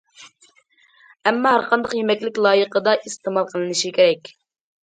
ئەمما ھەر قانداق يېمەكلىك لايىقىدا ئىستېمال قىلىنىشى كېرەك.